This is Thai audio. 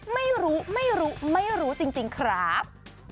ไม่รู้ไม่รู้ไม่รู้จริงครับ